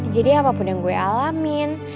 jadi apapun yang gue alamin